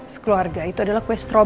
sekeluarga itu adalah kue strobek